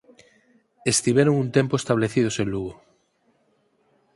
Estiveron un tempo establecidos en Lugo.